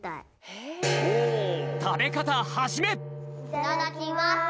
いただきます！